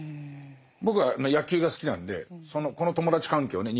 僕は野球が好きなんでこの友達関係をね